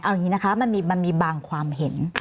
เอาอย่างนี้นะคะมันมีบางความเห็น